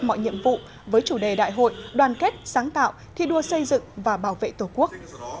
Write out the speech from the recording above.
mọi nhiệm vụ với chủ đề đại hội đoàn kết sáng tạo thi đua xây dựng và bảo vệ tổ quốc